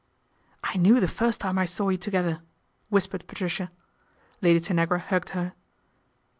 "I knew the first time I saw you together, whispered Patricia. Lady Tanagra hugged her.